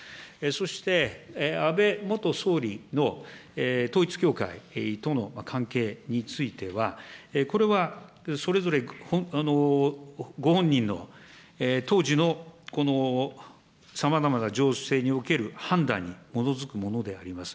そして安倍元総理の、統一教会との関係については、これはそれぞれ、ご本人の当時の、このさまざまな情勢における判断に基づくものであります。